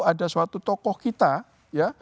ada suatu tokoh kita ya